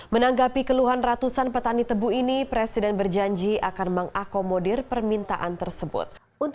menanggapi keluhan ratusan petani tebu ini presiden berjanji akan mengakomodir permintaan tersebut